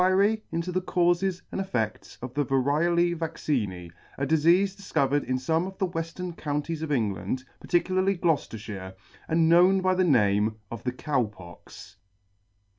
AN INTO THE CAUSES AND EFFECTS OF THE VARIOLA VACCINE, A DISEASE DISCOVERED IN SOME OF THE WESTERN COUNTIES OF ENGLAND, PARTICULARLY GLOUCESTERSHIRE , AND KNOWN BY THE NAME OF THE COW POX.